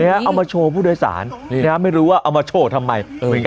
เอามาโชว์ผู้โดยสารไม่รู้ว่าเอามาโชว์ทำไม